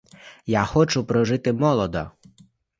Я хочу прожити молодо.